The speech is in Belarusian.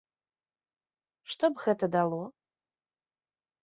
Што б гэта дало?